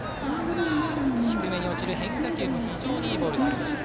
低めに落ちる変化球も非常にいいボールがありました。